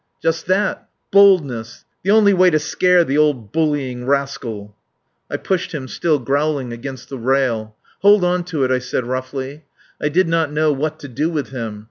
"Just that! Boldness. The only way to scare the old bullying rascal." I pushed him, still growling, against the rail. "Hold on to it," I said roughly. I did not know what to do with him.